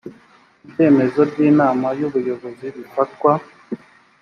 ibyemezo by inama y ubuyobozi bifatwa